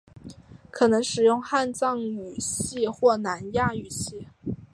可能使用汉藏语系或南亚语系。